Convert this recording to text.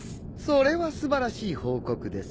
それは素晴らしい報告ですね。